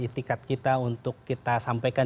itikat kita untuk kita sampaikan